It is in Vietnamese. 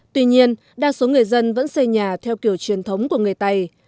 tuy nhiên đa số người dân vẫn xây nhà theo kiểu truyền thống của người tày